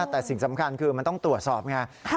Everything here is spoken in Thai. แต่สิ่งสำคัญคือมันต้องตรวจสอบไง